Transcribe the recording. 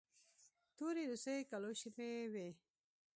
تورې روسۍ کلوشې مې وې.